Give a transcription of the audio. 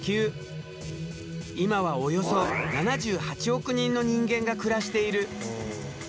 今はおよそ７８億人の人間が暮らしている。